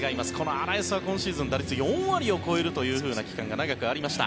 アラエスは今シーズン打率が４割を超えるという期間が長くありました。